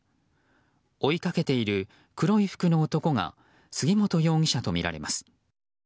追いかけている黒い服の男が杉本容疑者とみられます。